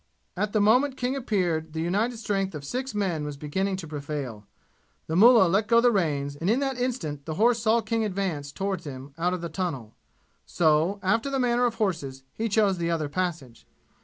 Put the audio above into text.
At the moment King appeared the united strength of six men was beginning to prevail. The mullah let go the reins, and in that instant the horse saw King advance toward him out of the tunnel; so, after the manner of horses, he chose the other passage.